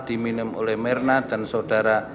diminum oleh mirna dan saudara